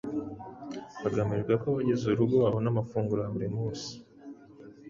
hagamijwe ko abagize urugo babona amafunguro ya buri munsi.